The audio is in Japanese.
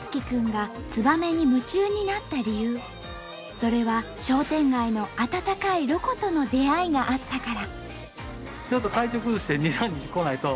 それは商店街の温かいロコとの出会いがあったから。